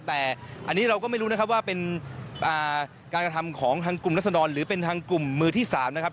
แต่อันนี้เราก็ไม่รู้นะครับว่าเป็นการกระทำของทางกลุ่มรัศดรหรือเป็นทางกลุ่มมือที่๓นะครับ